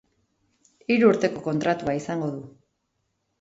Hiru urteko kontratua izango du.